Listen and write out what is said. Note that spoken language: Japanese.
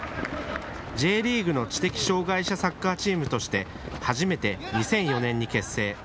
Ｊリーグの知的障害者サッカーチームとして初めて２００４年に結成。